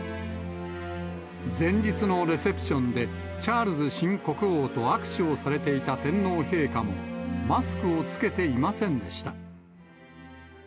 前日のレセプションで、チャールズ新国王と握手をされていた天皇陛下も、マスクを着けていませんでした。